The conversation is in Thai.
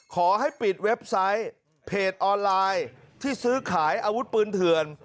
ขอให้ปิดเว็บไซต์เพจออนไลน์ที่ซื้อขายอาวุธปืนเถื่อน